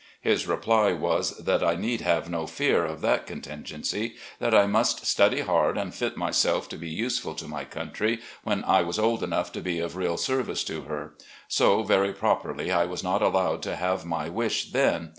His reply was that I need have no fear of that contin gency, that I must study hard and fit myself to be useful to my country when I was old enough to be of real service to her; so, very properly, I was not allowed to have my wish then.